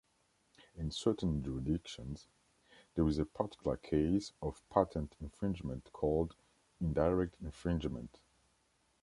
In certain jurisdictions, there is a particular case of patent infringement called indirect infringement.